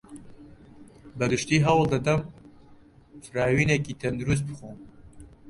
بەگشتی هەوڵدەدەم فراوینێکی تەندروست بخۆم.